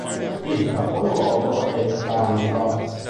Il capoluogo è Tanta.